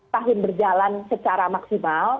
tahun berjalan secara maksimal